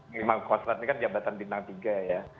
memang kostrat ini kan jabatan bintang tiga ya